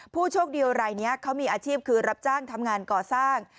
ผู้โชคดีรายนี้เขามีอาชีพคือรับจ้างทำงานก่อสร้าง